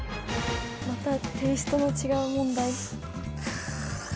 またテイストの違う問題。